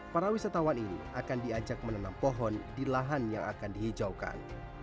para wisatawan ini akan diajak menanam pohon di lahan yang akan dihijaukan